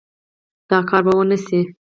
دا کار به ونشي